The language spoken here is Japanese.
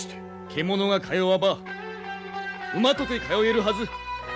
獣が通わば馬とて通えるはず。